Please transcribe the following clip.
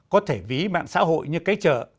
có thể ví mạng xã hội như cái chợ